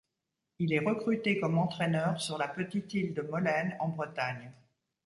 Il est recruté comme entraîneur sur la petite île de Molène en Bretagne.